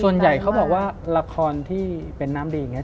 ส่วนใหญ่เขาบอกว่าละครที่เป็นน้ำดีอย่างนี้